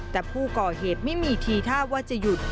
แต่ผู้ก่อเหตุไม่มีทีท่าว่าจะหยุด